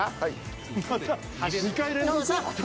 ２回連続？